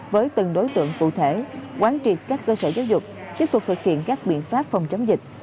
với từng đối tượng cụ thể quán triệt các cơ sở giáo dục tiếp tục thực hiện các biện pháp phòng chống dịch